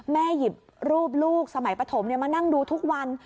หยิบรูปลูกสมัยปฐมมานั่งดูทุกวัน